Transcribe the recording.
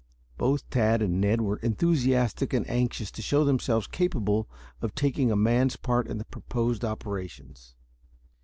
Both Tad and Ned were enthusiastic and anxious to show themselves capable of taking a man's part in the proposed operations.